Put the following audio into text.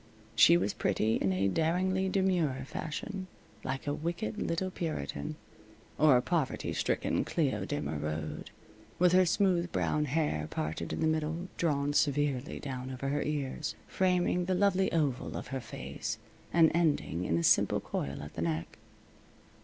She was pretty in a daringly demure fashion, like a wicked little Puritan, or a poverty stricken Cleo de Merode, with her smooth brown hair parted in the middle, drawn severely down over her ears, framing the lovely oval of her face and ending in a simple coil at the neck.